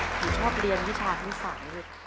หนูชอบเรียนวิชาทั้ง๓ลูก